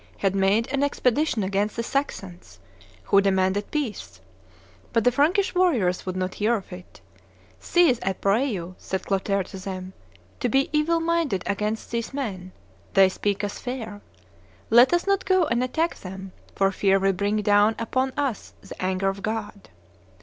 had made an expedition against the Saxons, who demanded peace; but the Frankish warriors would not hear of it. 'Cease, I pray you,' said Clotaire to them, 'to be evil minded against these men; they speak us fair; let us not go and attack them, for fear we bring down upon us the anger of God.